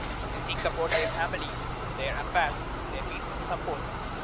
They think about their families, their affairs, their means of support.